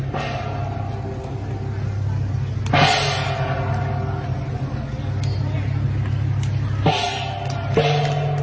มีแรงอยู่ในภาพสมัคร